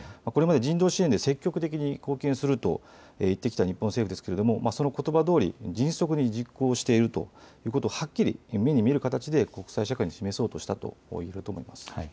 これまで人道支援で積極的に貢献すると言ってきた日本政府ですがそれをことばどおり迅速に実行しているということをはっきり目に見える形で国際社会に示そうとしたということだと思います。